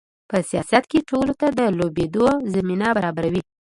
په سیاست کې ټولو ته د لوبېدو زمینه برابروي.